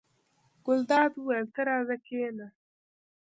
ګلداد وویل: ته راځه کېنه.